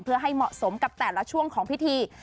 เพื่อให้เหมาะสมกับแต่ละช่วงของพิธี